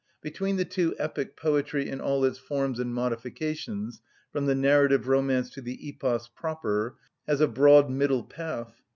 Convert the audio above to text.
Between the two epic poetry in all its forms and modifications, from the narrative romance to the epos proper, has a broad middle path.